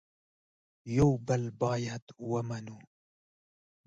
یو بل باید ومنو